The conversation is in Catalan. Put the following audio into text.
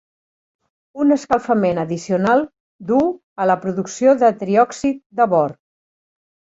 Un escalfament addicional duu a la producció de triòxid de bor.